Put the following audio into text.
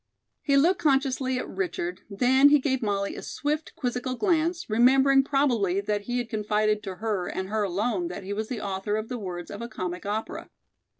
He looked consciously at Richard, then he gave Molly a swift, quizzical glance, remembering probably that he had confided to her and her alone that he was the author of the words of a comic opera.